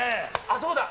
あっそうだ！